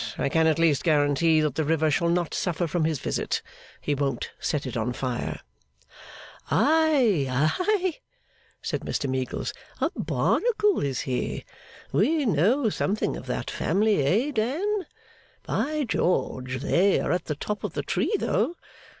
I can at least guarantee that the river shall not suffer from his visit. He won't set it on fire.' 'Aye, aye?' said Meagles. 'A Barnacle is he? We know something of that family, eh, Dan? By George, they are at the top of the tree, though!